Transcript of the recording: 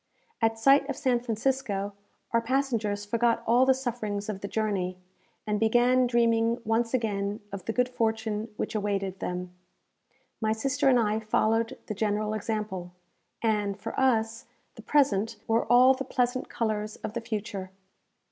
At sight of San Francisco, our passengers forgot all the sufferings of the journey, and began dreaming once again of the good fortune which awaited them. My sister and I followed the general example, and, for us, the present wore all the pleasant colours of the future.